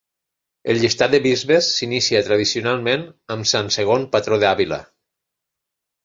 El llistat de bisbes s'inicia tradicionalment amb sant Segon, patró d'Àvila.